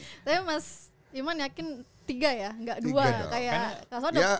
tapi mas iman yakin tiga ya